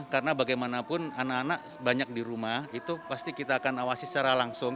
karena bagaimanapun anak anak banyak di rumah itu pasti kita akan awasi secara langsung